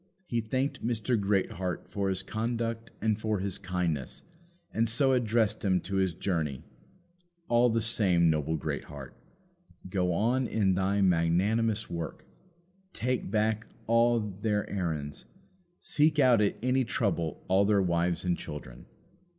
He thanked Mr. Greatheart for his conduct and for his kindness, and so addressed himself to his journey. All the same, noble Greatheart! go on in thy magnanimous work. Take back all their errands. Seek out at any trouble all their wives and children.